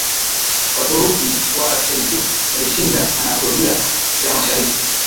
Waturuki wa Seljuk walishinda Anatolia ya Mashariki